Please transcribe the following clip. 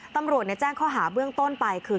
ตำรวจแจ้งข้อหาเบื้องต้นไปคือ